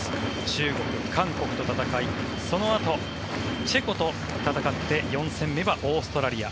中国、韓国と戦いそのあとチェコと戦って４戦目はオーストラリア。